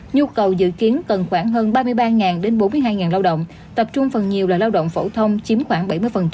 nhu cầu dự kiến cần khoảng hơn ba mươi ba đến bốn mươi hai lao động tập trung phần nhiều là lao động phổ thông chiếm khoảng bảy mươi